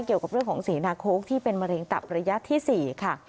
เกี่ยวกับเรื่องของเสนาโค้กที่เป็นมะเร็งตับระยะที่๔ค่ะ